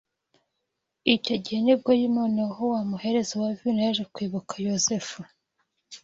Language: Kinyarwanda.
Icyo gihe ni bwo noneho wa muhereza wa vino yaje kwibuka Yozefu